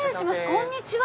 こんにちは。